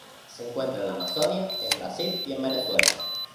Se encuentra en la Amazonia en Brasil y en Venezuela.